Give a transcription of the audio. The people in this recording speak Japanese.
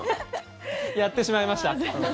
やってしまいました。